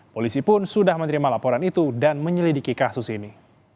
polisi pun sudah menerima laporan itu dan menyelidiki kasus ini